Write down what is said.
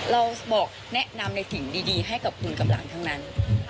เราบอกแนะนำในสิ่งดีให้กับคุณกำลังทั้งนั้น